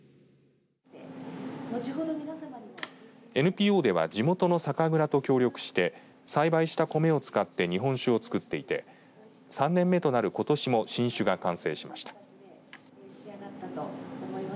ＮＰＯでは地元の酒蔵と協力して栽培した米を使って日本酒を造っていて３年目となることしも新酒が完成しました。